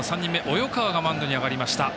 及川がマウンドに上がりました。